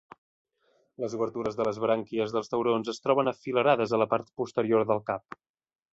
Les obertures de les brànquies dels taurons es troben afilerades a la part posterior del cap.